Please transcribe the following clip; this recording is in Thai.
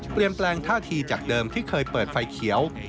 แปลงท่าทีจากเดิมที่เคยเปิดไฟเขียว